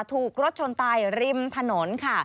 ถูกรถชนตายริมถนนค่ะ